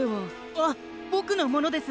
あっぼくのものです！